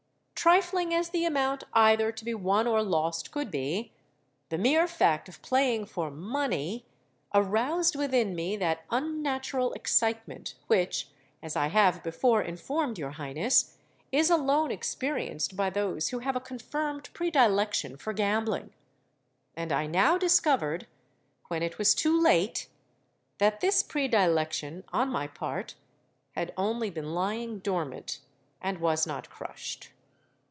"Trifling as the amount either to be won or lost could be, the mere fact of playing for money aroused within me that unnatural excitement which, as I have before informed your Highness, is alone experienced by those who have a confirmed predilection for gambling. And I now discovered—when it was too late—that this predilection on my part had only been lying dormant, and was not crushed.